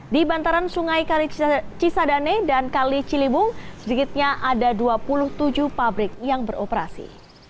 di bantaran sungai kali cisadane dan kali ciliwung sedikitnya ada dua puluh tujuh pabrik yang beroperasi